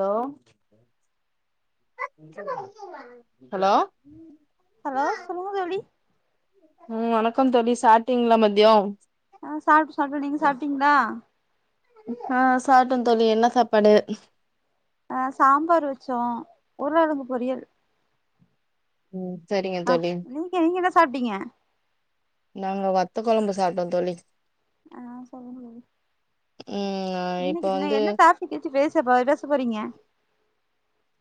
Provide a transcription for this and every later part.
Hello? Hello? Hello? சொல்லுங்க தோழி. ம் வணக்கம் தோழி சாட்டிங்ளா மத்யோம்? ஆ சாப்டே சாப்டே நீங்க சாப்டிங்ளா? ஆ சாப்டந் தோழி என்ன சாப்பாடு? ஆ சாம்பார் வெச்சோ உருளகெழங்கு பொரியல். ம் செரிங்க ஆ தோழி. நீங்க நீங்க என்ன சாப்ட்டீங்க நாங்க வத்த கொழம்பு சாப்ட்டோ தோழி. ஆ சொல்லுங்க தோழி ம் இப்ப இன்னிக்கு இன்ன வந்து என்ன டாஸ் பிக் வெச்சி பேச போ பேச போறீங்க?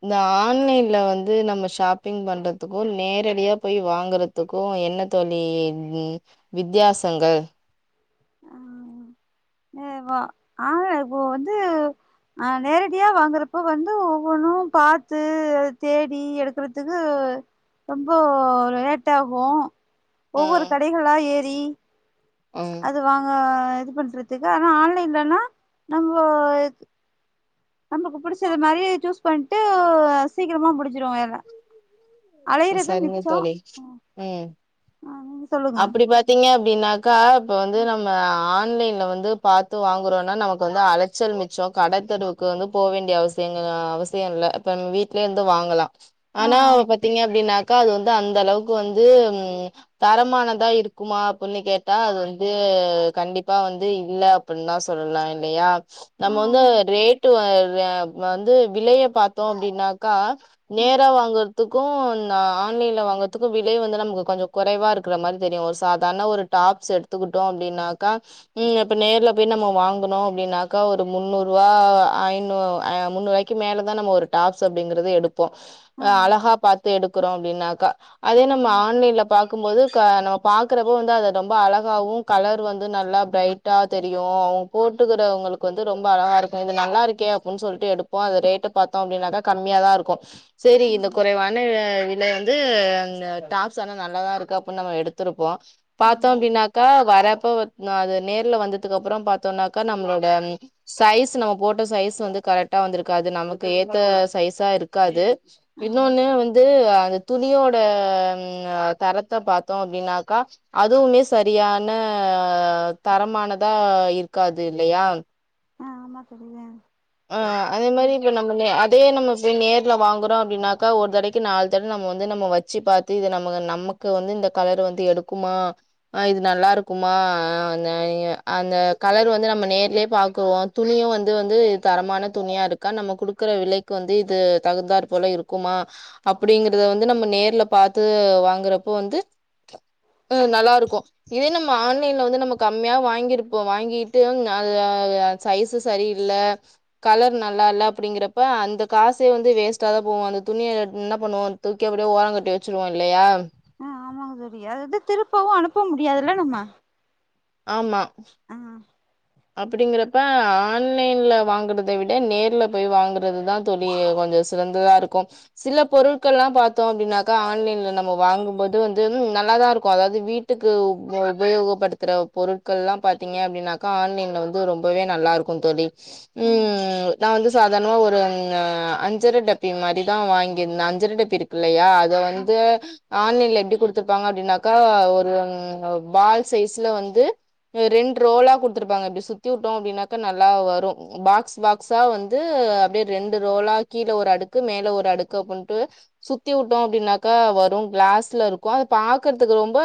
இந்த ஆன்லைன்ல வந்து நம்ம ஷாப்பிங் பண்டதுக்கு நேரடியா போயி வாங்கறத் துக்கு என்ன தோழி த்ன் வித்தியாசங்கள்? அ வா ஆன்ல இப்போ வந்து அ நேரடியா வாங்குறப்போ வந்து ஒவ்வொன்னு பாத்து அத தேடி எடுக்கறதுக்கு ரொம்போ லு லேட்டாகு ஒவ்வொரு ம் கடைகளா ஏறி ம். அது வாங்க இது பண்றதுக்கு ஆனா ஆன்லைன்லனா நம்போ இத் நமக்கு புடிச்சது மாரியே சூஸ் பண்ட்டு ஒ சீக்கிரமா முடிச்சிரு எல் லா அலையறதும் சரிங்க மிச்சோ தோழி அ ம். அப்பிடி பாத்தீங்க அப்டின்னாக்கா இப்ப வந்து நம்ம ஆன்லைன்ல வந்து பாத்து வாங்குறோம்னா நமக்கு வந்து அலைச்சல் மிச்சம் கடைத்தெருவுக்கு வந்து போக வேண்டிய அவசியங்க அவசியம் இல்ல இப்ப வீட்யே இருந்து வாங்கலாம் ஆ ஆனா ஆம் பாத்தீங்க அப்டின்னாக்கா அது வந்து அந்த அளவுக்கு வந்து ம் [unintelligible] இருக்குமா அப்டின்னு கேட்டா அது வந்து கண்டிப்பா வந்து இல்ல அப்டின்னு தான் சொல்லலாம் இல்லையா ஆ நம்ம வந்து ஆமா தோழி ரேட்டு வந்து வெலைய பாத்தோம் அப்டின்னாக்கா ஆ நேரா வாங்குரதுக்கும் ஆன்லைன்ல வாங்குரதுக்கும் விலை வந்து நமக்கு கொஞ்சோ கொறைவா இருக்கு க்குற மாதிரி தெரியு ஒரு சாதார்ண ஒரு டாப்ஸ்ஸ எடுத்துக்கிட்டோ அப்டின்னாக்க ம் இப்ப நேர்ல பேயி நம்ப வாங்குனோ அப்டின்னாக்கா ஒரு முன்னூர்வா ஐநூ முன்னூர்வாய்க்கு மேல தா நம்ப ஒரு டாப்ஸ் அப்டிங்கறது எடு இப்போ ஆ ஆ அழகா பாத்து எடுக்குறோ அப்டின்னாக்கா அதே ஆ நம்ப ஆமா ஆன்லைன்ல பாக்கும்போது நம்ப பாக்கறப்போ வந்து அது ரொம்ப அழகாவு கலர் வந்து நல்லா பிரைட்டா தெரியு போட்டுக்கிறவங்களுக்கு வந்து ரொம்ப அழகாருக்கும் இது நல்லா இருக்கே அப்டின்னு சொல்லிட்டு எடுப்போம் அது ரெட் கூ பாத்தோம் அப்டின்னாக்கா கம்மியா தான் இருக்கும் சேரி ஆ இந்த குறைவான விலை வந்து டாப்ஸ் ஆனா நல்லாதான் இருக்கு நம்ம எடுத்திருப்போம் ஆ பாத்தோம் அப்டின்னாக்கா வர ப்போ அது நேர்ல வந்ததுக்கு அப்றம் பாத்தோம்னாக்கா நம்மளோட சைஸ் நம்ம போட்ட சைஸ் வந்து கரெக்டா வந்திருக்காது நமக்கு ஏத்த சைஸா இருக்காது இன்னொன்னு வந்து அந்த துணியோட தர த்த பாத்தோம் அப்டின்னாக்கா அதுவுமே சரியான தரமானதா இருக்காது இல்லையா ஆ ஆமா சரிதா ஆ அதே மாரி இப்ப நம் அதே நம்ப இப்டி நேர்ல வாங்குறோம் அப்டின்னாக்கா ஒரு தடைக்கு நாலு தடை நம்ம வந்து நம்ம வச்சு பாத்து இது நம்ம நமக்கு வந்து இந்த கலரு வந்து எடுக்குமா ஆ இது நல்லா இருக்குமா அந்த அந்த கலர் வந்து நம்ம நேர்லயே பாக்குவோம் துணியும் வந்து வந்து தரமான துணியா இருக்கா நம்ம குடுக்குற வெலைக்கு வந்து இது தகுந்தார் போல இருக்குமா அப்டிங்கறத வந்து நம்ம நேர்ல பாத்து வாங்குற போ வந்து ம் நல்லா இருக்கும் இதே நம்ம ஆன்லைன்ல வந்து நம்ம கம்மியாவ வாங்கிருப்போம் வாங்கிட்டு அ சைஸ்ஸு சரியில்ல கலர் நல்லா இல்ல அப்டிங்கறப்ப அந்த காசே வந்து வேஸ்ட்டா தான் போவும் அந்த துணியை என்ன பண்ணுவோம் தூக்கி அப்டியே ஓரம் கட்டிவச்சுருவோம் இல்லையா ஆ ஆமாங்க தோழி அதாவது திரும்பவும் அனுப்ப முடியாதுல்ல நம்ம ஆமா ஆ அப்டிங்கறப்ப ஆன்லைன்ல வாங்குறதை விட நேர்ல போய் வாங்கறதுதான் தோழி கொஞ்சம் சிறந்ததா இருக்கும் சில பொருட்கள் எல்லாம் பாத்தோம் அப்டின்னாக்கா ஆன்லைன்ல நம்ம வாங்கும்போது வந்து நல்லாதான் இருக்கும் அதாவது வீட் டுக்கு உபயோகப்படுத்துற பொருட்கள் எல்லாம் பாத்தீங்க அப்டின்னா ஆன்லைன்ல வந்து ரொம்பவே நல்லா இருக்கும் தோழி ஆ ம் நான் வந்து சாதாரணமா ஒரு அஞ்சரை டப்பி மாரிதான் வாங்கியிருந்தேன் அஞ்சரை டப்பி இருக்கு இல்லையா அத ஆ வந்து ஆன்லைன்ல எப்டி குடுத்துருப்பாங்க அப்டின்னாக்கா ஒரு பால் சைஸ்ல வந்து எ ரெண்டு ரோலா குடுத்துருப்பாங்க இப்டி சுத்தி விட்டோ அப்டின்னாக்கா நல்லா வரு பாக்ஸ் பாக்ஸா வந்து அப்டியே ரெண்டு ரோலா கீழே ஒரு அடுக்கு மேல ஒரு அடுக்கு அப்பன்ட்டு சுத்தி வுட்டோ அப்டின்னாக்கா வரு கிளாஸ்ல இருக்கு அத பாக்குறதுக்கு ரொம்ப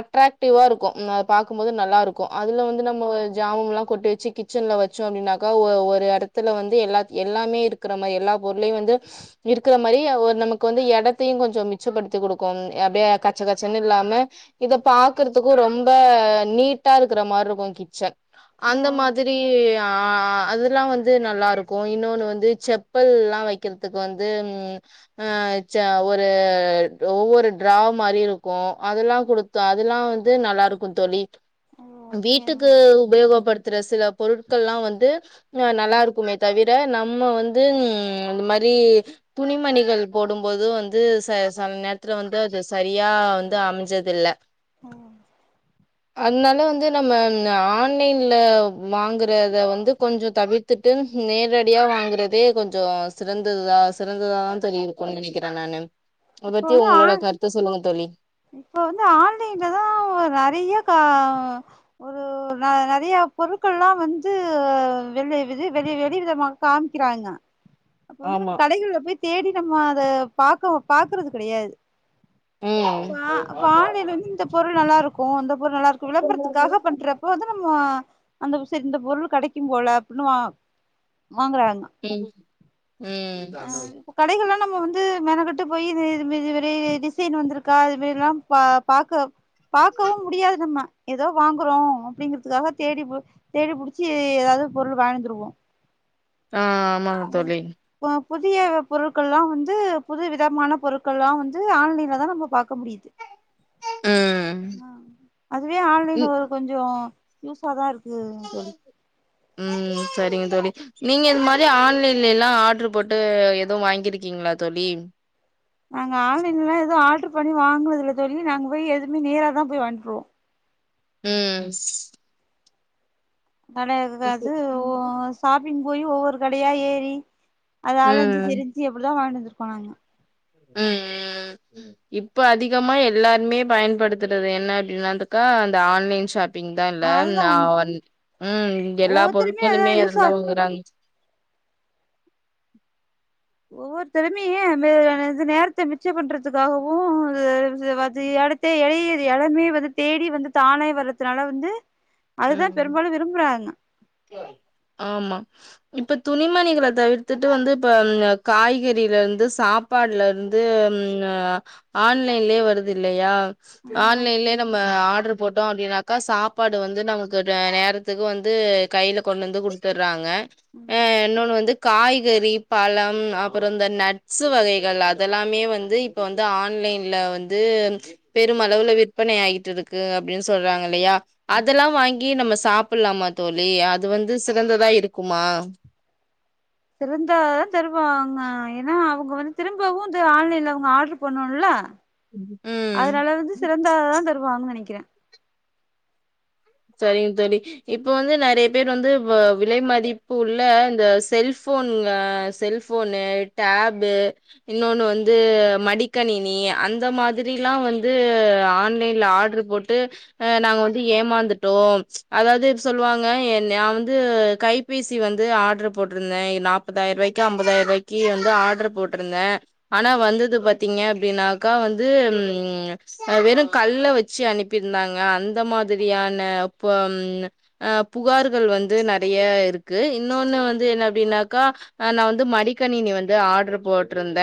அட்ராக்டிவா இருக்கு ம் அ பாக்கும்போது நல்லாருக்கு அதுல வந்து நம்ம ஜாமம்லா கொட்டு வச்சு கிச்சன்ல வச்சோ அப்டின்னாக்கா ஒ ஒரு எடத்துல வந்து எல்லாத் எல்லாமே இருக் க்கிற மாரி எல்லா பொருளையு வந்து இருக்கிற மாரி ஓ நமக்கு வந்து எடத்தையு கொஞ்சொ மிச்சப்படுத்தி குடுக்கும் அப்டியே கச்ச கச்சன்னு இல்லாம இத பாக்குறதுக்கு ரொம்ப நீட்டா இருக்கிற மாருக்கு கிச்சன் ஆ அந்த ஓ மாதிரி அ அதெல்லா வந்து நல்லா இருக்கு இன்னொன்னு வந்து செப் பல்லா வைக்கிறதுக்கு வந்து ம் ஆ ஜா ஒரு ஒவ்வொரு டிரா மாரி இருக்கு அதெல்லா குடுத் அதெல்லா வந்து நல்லா இருக்கு தோழி ஓ ஓகேங்க வீட்டுக்கு உபயோகப்படுத்துற சில பொருட்கள்ல்லா வந்து ஆ நல்லா இருக்குமே தவிர நம்ம வந்து ம் இந்த மாரி துணிமணிகள் போடும் போது வந்து ச செல நேரத்துல வந்து அது சரியா வந்து அமைஞ்சது இல்ல ம். அதனால வந்து நம்ம இந்த ஆ ன்லைன்ல வாங்கறத வந்து கொஞ்சோ தவிர்த்துட்டு நேரடியா வாங்கறதே கொஞ்சோ சிறந்ததுதா சிறந்ததா தோழி இருக்குன்னு நெனைக்கிறே நானு அத பத்தி உங்களோட கருத்த சொல்லுங்க தோழி இப்ப வந்து ஆன்லைன்லதா ஒ நெறைய கா ஒரு ஒ நெ நெறைய பொருட்கள்லா வந்து வெளி விது வெளி வெளி விதமா காமிக்கிறாங்க அப்ப வந்து நம்ம ஆமா கடைகள்ல போய் தேடி நம்ம அத பாக்க பாக்குறது கெடையாது ம் பா பாகைலே வந்து இந்த பொருள் நல்லாருக்கு அந்த பொருள் நல்லாருக்கு விளம்பரத்துக்காக பண்ற போது நம்ம அந்த சரி இந்த பொருள் கெடைக்கும் போல அப்டின்னு வா வாங்கறாங்க ம் ம் கடைகள்ல்லா நம்ம வந்து மெனக்கட்டு போய் இது இது மாரி இது மாரி டிசைன் வந்துரு கால் மிதிலா பா பாக்க பாக்கவு முடியாது நம்ம எதோ வாங்குறோ அப்டிங்கறதுக்காக தேடி போய் தேடி புடிச்சி எதாவ்து பொருள் வாங்கிந்துருவோ ஆ ஆமாங்க தோழி ப்போ புதிய பொருட்கள்லா வந்து புது விதமான பொருட்கள்லா வந்து ஆன்லைன்லதான் நம்ம பாக்க முடியுது ம் அ அதுவே ஆன்லைன் ம் ஒரு கொஞ்சோ யூஸ்ஸாதா இருக்குது தோ ம் சரிங்க தோழி நீங்க இந் மாரி ஆன்லைன்லேல்லா ஆட்ரு போட்டு எதுவு வாங்கிருக்கீங்களா தோழி நாங்க ஆன்லைன்லல்லா எது ஆர்டரு பண்ணி வாங்குனதுல தோழி நாங்க போய் எதுவுமே நேராதா போய் வாங்கிட்ருவோ ம் நட இருக்காது ஓ ஷாப்பிங் போய் ஒவ்வொரு கடையா ஏறி அத அலஞ்சு ம் திரிஞ்சு எப்டிதா வாங்கிட்டு வந்துருப்போ நாங்க ம் ம் இப்ப அதிகமா எல்லாருமே பயன்படுத்துறது என்ன அப்டின்னாதுக்கா அந்த ஆன்லைன் ஷாப் பிங்தான்ல அதுதா நா உண்ம வந் ம் எல்லா ஒவ்வொருத்தருமே அதா பொருட்களுமே யூஸா அதுலருந்துதா வாங்கறாங் ஒவ்வொருத்தருமே வெ என்னது நேரத்த மிச்சம் பண்றதுக்காகவு அ வது அடுத் தே எழையே எடமே வந்து தேடி வந்து தானே வர்துனால வந்து அதுதா ம் பெரும்பாலு விரும்புறாங்க ஆமா இப்ப துணிமணிகள தவிர்த்துட்டு வந்து இப்ப காய்கறிலருந்து சாப் ப்பாட்லருந்து ம் அ ஆன்லைன்லே வருது இல்லயா ஆ ஆன்லைன்லே நம்ம ஆட்ரு போட்டோ அப்டின்னாக்கா சாப்பாடு வந்து து நமளுகு நே நேரத்துக்கு வந்து கைல கொண்ணுவந்து குடுத்துறாங்க ஆ அ இன்னொன்னு வந்து காய்கறி பழம் அப்புற இந்த நட்ஸ் வகைகள் அதெல்லாமே வந்து இப்ப வந்து ஆன்லைன்ல வந்து பெருமளவுல விற்பனை ஆயிட்டிருக்கு அப்டின் சொல்றாங்க இல்லையா அதுக் இதெல்லா வாங்கி நம்ம சாப்புட்லாமா தோழி அது வந்து சிறந்ததா இருக்குமா திருந்தாதா திருபுவாங்க ஏனா அவுங்க வந்து திரும்பவு இந்த ஆன்லைன்ல அவுங்க ஆட்ரு பண்னுல்ல ம் அதுனால வந்து சிறந்தாதா தருவாங்கன் நெனக்கிற சரிங்க தோழி இப்ப வந்து நெறைய பேர் வந்து வ விலை மதிப்பு உள்ள இந்த செல்ஃபோன் அ செல்ஃ செல்ஃபோனு டேபு இன்னொனு வந்து மடிகணினி அந்த மாதிரில்லா வந்து ஆன்லைன்ல ஆர்ட்ரு போட்டு நாங்க வந்து ஏமாந்துட் டோம் அதாவது சொல்லுவாங்க நா வந்து கைபேசி வந்து ஆடர் போட்டிருந்த நாப் முப்பதாயிரருவாய்கி ஐம்பதாயிரரூவாய்க்கி வந்து ஆடர்ர போட்டிருந்த ஆனா வந்தது பாத்தீங்க அப்டினாக்கா வந்து ம் அ வெறும் கல்ல வச்சி அனுப்பிருந்தாங்க அந்த மாதிரியான இப்ப ம் அ புகார்கள் வந்து நறைய இருக்கு இன்னொன்னு வந்து என்ன அப்டின்னாக்கா அ நா வந்து மடிக்கணினி வந்து ஆர்ட்ரு போட்ருந்த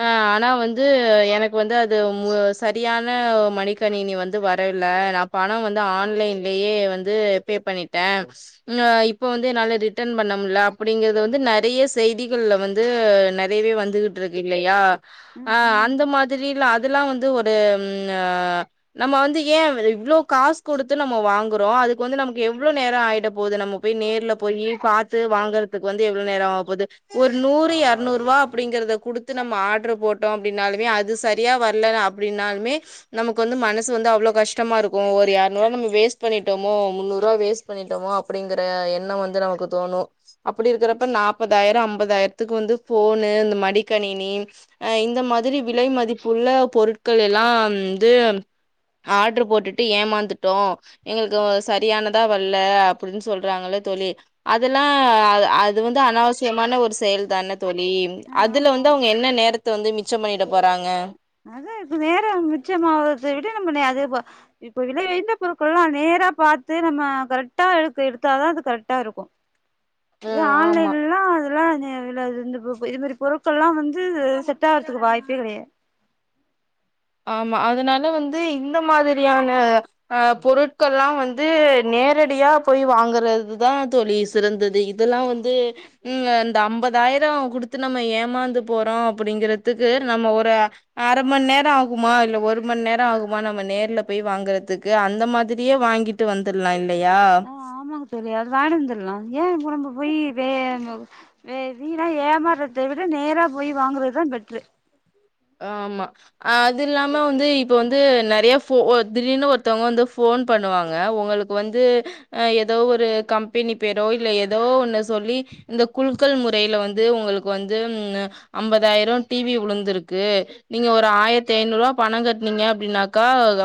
அ ஆனா வந்து து எனக்கு வந்து அது மு சரியான மணிகணினி வந்து வரல நா பணம் வந்து ஆண் ஆன்லைன்லயே வந்து ரிப்பேர் பண்ணிட்ட ம்அ இப்ப வந்து என்னால ரிட்டன் பண்ண முட்ல அப்டிங்கறது வந்து நறைய செய்திகள்ல வந்து வந்து நெறையவே வந்துகிட்ருக்கு இல்லையா ஆ அ ஆமாங்க அந்த தோழி மாதிரிலா அதுல்லா வந்து ஒரு டிம் அ நம்ம வந்து ஏ இவ்ளோ காஸ் குடுத்து நம்ம வாங்குறோ அதுக்கு வந்து நமக் எவ்ளோ நேரோ ஆயிட போது நம்ம போய் நேர்ல போயி பாத்து வாங்கற இதுக் வந்து எவ்ளோ நேரோ ஆவ் போது ஒரு நூறு எற்நூறுவா அப்டிங்கறத குடுத்து நம்ம ஆர்ட்ரு போட்டோ அப்டின்னாலுமே அது சரியா வரலன் அப் அப்டின்னாலுமே நமக்கு வந்து மனசு வந்து அவ்ளோ கஷ்டமா இருக்கு ஒர் யார் முன்னூறுவா வேஸ்ட் பண்ணிட்டோமோ முன்னூறுவா வேஸ்ட் பண்ணிட்டோமோ அப்டிங்கிற எண்ணம் வந்து நமக்கு தோணு அப்டி இருக்குறப்ப நாப்பதாயிர ஐம்பதாயிரத்துக்கு வந்து ஃபோனு இந்த மடிகணினி அ இந்த மாதிரி விலை மதிப்புள்ள பொருட்கள் எல்லாம் வந்து ஆர்ட்ரு போட்டுட்டு ஏமாந்துட் ட்டோ எங்களுக்கு சரியானதா வல்ல அப்டின் சொல்றாங்கள்ள தோழி அதுல்லா அது அது வந்து அனாவசியமான ஒரு செயல் தான த் தோழி ஆ அதுல ஆமா வந்து அவங்க என்ன நேரத்த வந்து மிச்சம் பண்ணிட போறாங்க அதா இப்ப நேரம் மிச்ச மாவறத விட நம்ம நே அது போல் இப்ப விலை உயர்ந்த பொருட்கல்லா நேரா பாத்து நம்ம கரக்டா எடுத்து எடுத்தாதா அது கரெக்டா இருக்கு இது ம் ஆன் ஆமா லைனெல்லா அதெல்லலா [unintelligible] இல்ல அது து இந்து பொ பொ இத் மாரி பொருட்கள்லா வந்து செட் ஆறதுக்கு வாய்ப்பே கெடையா ஆமா அதுனால வந்து இந்த மாதிரியான அ பொருட்கள்லா வந்து நேரடியா போய் வாங்குறது தா தோழி சிறந்தது இதெல்லா வந்து ம் அ இந்த ஐம்பதாயிரோ குடுத்து நம்ம ஏமாந்து போறோ அப்படிங்கறதுக்கு நம்ம ஒரு அ அரை மணிநேரோ ஆகு சும்மா இல்ல ஒரு மணி நேரோ ஆகுமா நம்ம நேர்ல போய் வாங்கறதுக்கு அந்த மாதிரியே வாங்கிட்டு ங்கிட்டு வந்துடலாம் இல்லையா ஆமா தோழி அது வாய்ன்ட்டு வந்துரலாம் ஏன் உடம்பு போய் வீணா ஏமாறத விட நேரா போய் வாங்குறதுதான் பெட்ரு ஆமா அது இல்லாம வந்து இப்ப வந்து நிறைய ஃபோ திடீர்னு ஒருத்தவங்க வந்து ஃபோ ஃபோன் பண்ணுவாங்க உங்களுக்கு வந்து ஏதோ ஒரு கம்பெனி பேரோ இல்லை ஏதோ ஒன்னு சொல்லி இந்த குழுக்கல் முறையில வந்து உங்களுக்கு வந்து ஐம்பதாயிரோ டி வி வி உழுந்திருக்கு இருக்கு நீங்க ஒரு ஆயிரத்து ஐநூறு ரூவா பணம் கட்டினீங்க அப்படின்னாக்கா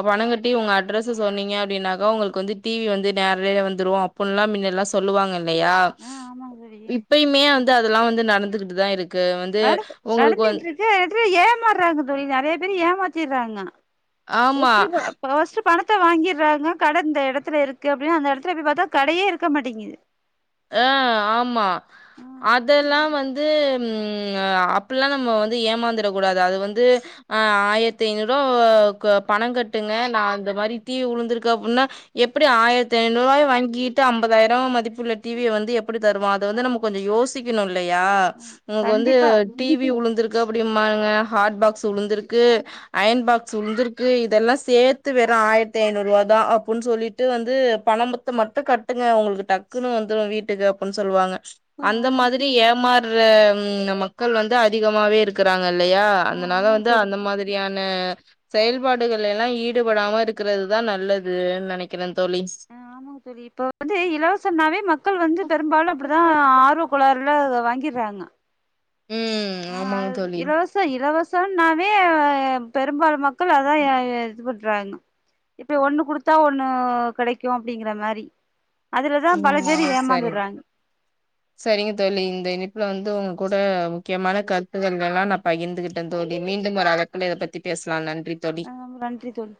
பணங்கட்டி உங்க அட்ரஸ் சொன்னீங்க அப்படின்னாக்கா உங்களுக்கு வந்து டி வி வந்து நேரல வந்துரு அப்புடின்னுல்லா முன்னல்லா சொல்லுவாங்க இல்லையா ஆ ஆமாங்க தோழி இப்பையுமே வந்து அதெல்லாம் வந்து நடந்துகிட்டு தான் இருக்கு வந்து நட உங்களுக்கு வ நடந்துகிட்டு இருக்கு நேரத்துல ஏமாறாங்க தோழி நிறைய பேரு ஏமாத்திடுறாங்க ஆமா ஃபர்ஸ்ட் பணத்தை வாங்கிடுறாங்க கடை இந்த இடத்துல இருக்கு அப்படின்னு அந்த இடத்துல போய் பாத்தா கடையே இருக்க மாட்டேங்கு ஆ ஆமா ஆ அதெல்லா வந்து ம் அப்பில்லா நம்ம வந்து ஏமாந்துரக் கூடாது அது வந்து அ ஆயிரத்தி ஐநூறுவா அ கோ பணங் கட்டுங்க நா அந்த மாரி தடி வி உழுந்துருக்கு அப்புன்னா எப்புடி ஆயிரத்தி ஐநூரூவாய வாங்கிட்டு ஐம்பதாயிரோ மதிப்புள் டி விய வந்து எப்புடி தருவா அது வந்து நம்ம கொஞ்ச யோசிக்கணு இல்லையா உமக்கு வந்து கண்டிப்பா டி வி உழுந்துருக்கு அப்டிம்பானுங்க ஹாட் பாக்ஸ் உழுந்துருக்கு அயன் பாக்ஸ் உழுந்திருக்கு இதெல்லா சேத்து வெறு ஆயிரத்தி ஐநூறு ரூபா தா அப்டின் சொல்லிட்டு வந்து பணம் பணத்த மட்டு கட்டுங்க உங்களுக்கு டக்குனு வந்துரு வீட்டுக்கு அப்புன் சொல்லுவாங்க ஆ அந்த ஆமாங்க மாதிரி ஏமா ர ம் நம் மக்கள் வந்து அதிகமாவே இருக் இருக்கறாங்க இல்லையா ஆ அதனால ஆமாங்க வந்து தோழி அந்த மாதிரியான செயல்பாடுகள் எல்லாம் ஈடுபடாம இருக்கிறதுதா நல்லதுன்னு நெனைக்கிறே தோழி ஆ இப்ப வந்து இலவாசன்னாவே மக்கள் வந்து பெரும்பாலும் அப்படிதான் ஆருவக் கோளார்ல வாங்கிடுறாங்க ம் ஆமாங்க தோழி இலவசனாலே பெரும்பாலு மக்கள் அதான் இது பண்றாங்க இப்ப ஒண்ணு குடுத்தா ஒண்ணு கிடைக்கும் அப்படிங்கிற மாதிரி அதுலதான் பல பேர் ம் சரிங்க ஏமாந்துடுறாங்க சரிங்க தோழி இந்த இணைப்புல வந்து உங்க கூட முக்கியமான கருத்துக்களெல்லா நா பகிர்ந்துகிட்டே தோழி மீண்டும் ஒரு இதை பத்தி பேசலா நன்றி தோழி ஆ நன்றி தோழி